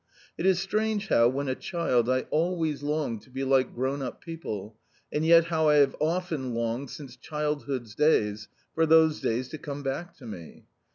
It is strange how, when a child, I always longed to be like grown up people, and yet how I have often longed, since childhood's days, for those days to come back to me!